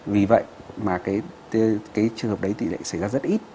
vì vậy mà cái trường hợp đấy thì lại xảy ra rất ít